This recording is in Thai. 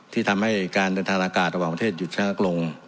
ที่ทำให้การเดินทางอากาศระหว่างประเทศหยุดชะงักลง